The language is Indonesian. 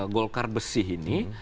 golkar bersih ini